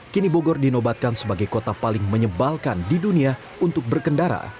kini bogor dinobatkan sebagai kota paling menyebalkan di dunia untuk berkendara